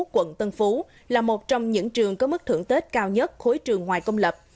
quận tân phú là một trong những trường có mức thưởng tết cao nhất khối trường ngoài công lập